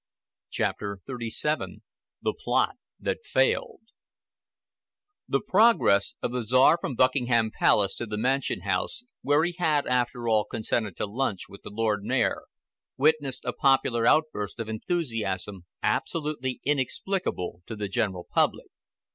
CHAPTER XXXVII THE PLOT THAT FAILED The progress of the Czar from Buckingham Palace to the Mansion House, where he had, after all, consented to lunch with the Lord Mayor, witnessed a popular outburst of enthusiasm absolutely inexplicable to the general public.